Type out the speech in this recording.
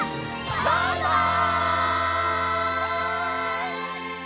バイバイ！